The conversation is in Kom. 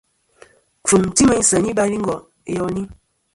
Kfɨ̀m ti meyn seyn i balingo' iyoni.